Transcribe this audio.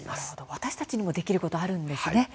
私たちにもできることあるんですね。